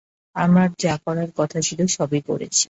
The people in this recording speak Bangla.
আমার যা করার কথা ছিল সবই করেছি।